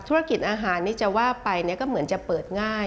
ธุรกิจอาหารนี่จะว่าไปก็เหมือนจะเปิดง่าย